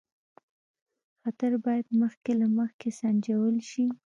خطر باید مخکې له مخکې سنجول شي.